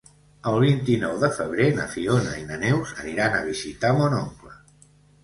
El vint-i-nou de febrer na Fiona i na Neus aniran a visitar mon oncle.